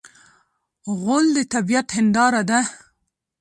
غول د طبعیت هنداره ده.